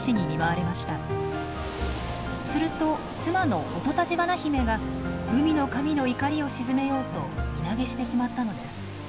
すると妻の弟橘媛が海の神の怒りを鎮めようと身投げしてしまったのです。